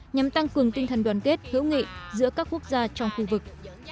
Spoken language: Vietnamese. nhằm tăng cường tinh thần đoàn kết hữu nghị giữa các quốc gia trong khu vực